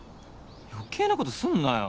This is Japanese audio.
余計なことすんなよ